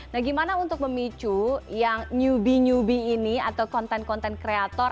nah gimana untuk memicu yang newbie newbie ini atau konten konten kreator